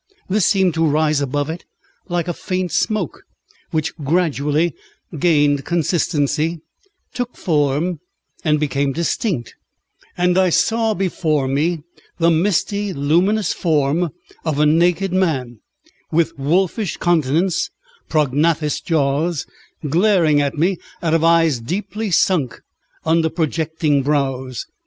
This seemed to rise above it like a faint smoke, which gradually gained consistency, took form, and became distinct; and I saw before me the misty, luminous form of a naked man, with wolfish countenance, prognathous jaws, glaring at me out of eyes deeply sunk under projecting brows.